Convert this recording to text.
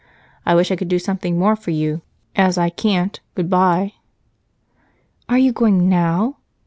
I wish I could do something more for you. As I can't, good bye." "Are you going now?"